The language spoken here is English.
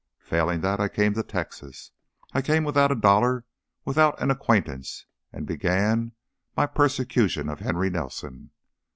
Failing that, I came to Texas. I came without a dollar, without an acquaintance, and began my 'persecution' of Henry Nelson.